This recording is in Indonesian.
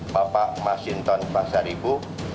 bapak masinton basaribu